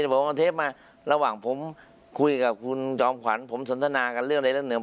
ผมเอาเทปมาระหว่างผมคุยกับคุณจอมขวัญผมสนทนากันเรื่องใดเรื่องหนึ่ง